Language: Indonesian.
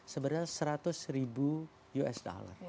sebenarnya seratus ribu us dollar